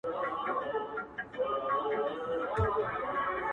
دریم یې د ارزو قول یا د سپین ږیري د زوم داستان دی